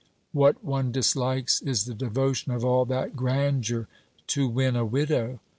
What one dislikes, is the devotion of all that grandeur to win a widow.